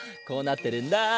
こうなってるんだ。